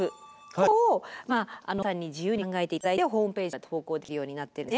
ここを皆さんに自由に考えて頂いてホームページから投稿できるようになってるんです。